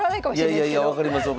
いやいや分かります。